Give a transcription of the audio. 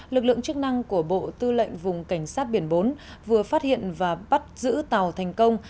lực lượng chức năng của bộ tư lệnh vùng cảnh sát biển bốn vừa phát hiện và bắt giữ tàu thành công